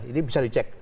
ini bisa dicek